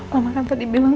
mama kan tadi bilang